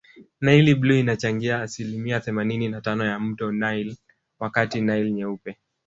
Naili bluu inachangia asilimia themanini na tano ya mto nile wakati nile nyeupe